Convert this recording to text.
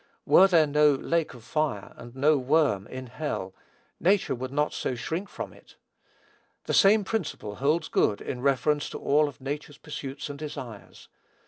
Were there no "lake of fire," and no "worm" in hell, nature would not so shrink from it. The same principle holds good in reference to all of nature's pursuits and desires.